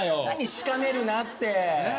何「しかめるな」って。